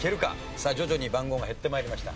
さあ徐々に番号が減って参りました。